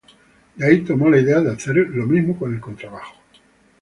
De ahí tomó la idea de hacer lo mismo con el contrabajo.